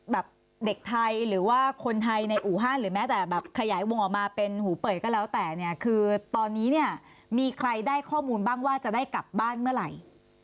แบบเด็กไทยหรือว่าคนไทยในอู่ฮั่นหรือแม้แต่แบบขยายวงออกมาเป็นหูเป่ยก็แล้วแต่เนี่ยคือตอนนี้เนี่ยมีใครได้ข้อมูลบ้างว่าจะได้กลับบ้านเมื่อไหร่